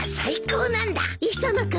磯野君